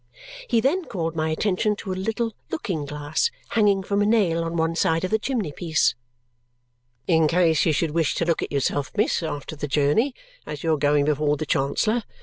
He then called my attention to a little looking glass hanging from a nail on one side of the chimney piece. "In case you should wish to look at yourself, miss, after the journey, as you're going before the Chancellor.